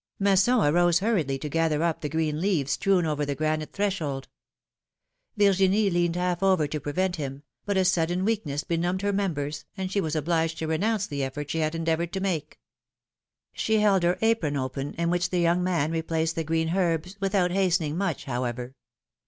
Masson arose hurriedly to gather up the green leaves strewn over the granite threshold. Virginie leaned half over to prevent him, but a sudden weakness benumbed her members, and she was obliged to renounce the effort she had endeavored to make. She held her apron open, in which the young man replaced the green herbs, without hastening much, however.